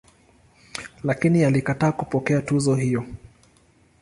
Lakini alikataa kupokea tuzo hiyo.